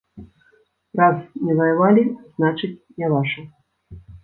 Раз не ваявалі, значыць, не ваша.